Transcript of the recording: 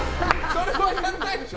それはやらないでしょ。